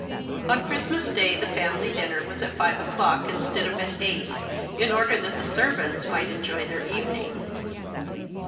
On Christmas Day the family dinner was at five o'clock instead of at eight, in order that the ser ;, vants might enjoy their evening.